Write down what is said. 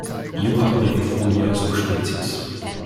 Yucca brevifolia subsp.